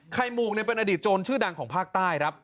หมูกเป็นอดีตโจรชื่อดังของภาคใต้ครับ